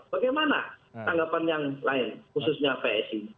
bagaimana tanggapan yang lain khususnya psi